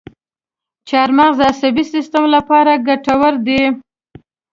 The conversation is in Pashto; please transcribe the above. چارمغز د عصبي سیستم لپاره ګټور دی.